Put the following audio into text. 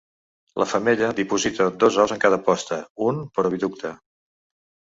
La femella diposita dos ous en cada posta, un per oviducte.